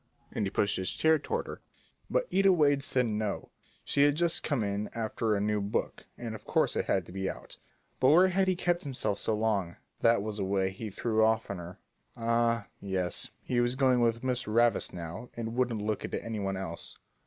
and he pushed his chair toward her. But Ida Wade said no, she had just come in after a new book, and of course it had to be out. But where had he kept himself so long? That was the way he threw off on her; ah, yes, he was going with Miss Ravis now and wouldn't look at any one else.